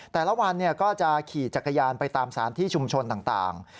แต่ละวันก็จะขี่จักรยานไปตามสารที่ชุมชนต่าง